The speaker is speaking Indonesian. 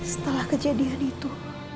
setelah kejadian itu